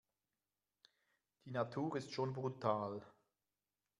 Die Natur ist schon brutal.